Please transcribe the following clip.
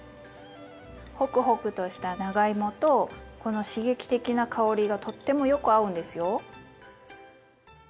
ホクホクとした長芋とこの刺激的な香りがとってもよく合うんですよ。